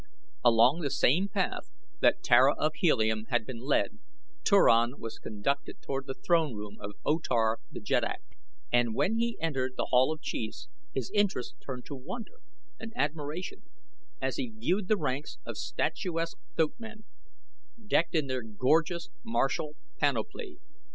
Along the same path that Tara of Helium had been led Turan was conducted toward the throne room of O Tar the jeddak, and when he entered the Hall of Chiefs his interest turned to wonder and admiration as he viewed the ranks of statuesque thoatmen decked in their gorgeous, martial panoply.